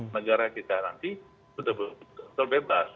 negara kita nanti sudah betul bebas